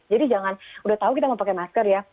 jangan udah tahu kita mau pakai masker ya